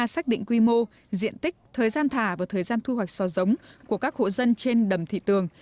xác định quy mô diện tích thời gian thả và thời gian thu hoạch sò giống của các hộ dân trên đầm thị tường